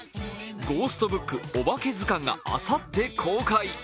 「ゴーストブックおばけずかん」があさって公開。